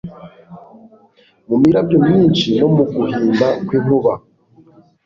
mu mirabyo myinshi no mu guhinda kw'inkuba.